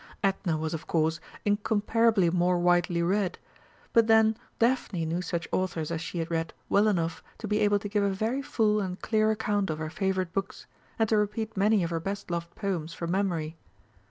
Edna was, of course, incomparably more widely read, but then Daphne knew such authors as she had read well enough to be able to give a very full and clear account of her favourite books, and to repeat many of her best loved poems from memory.